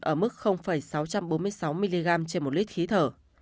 ở mức sáu trăm bốn mươi sáu mg trên một lít khí thở